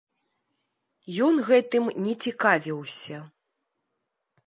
Ён гэтым не цікавіўся.